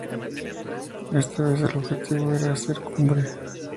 Esta vez el objetivo era hacer cumbre.